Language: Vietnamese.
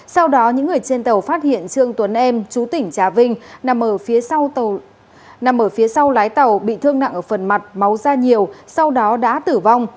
sau đó những người trên tàu phát hiện trương tuấn em chú tỉnh trà vinh nằm ở phía sau lái tàu bị thương nặng ở phần mặt máu ra nhiều sau đó đã tử vong